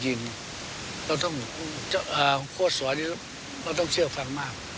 โฆษภัยตรงนี้เราต้องเชือกความมาก